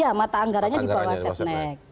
ya mata anggarannya di bawah setnek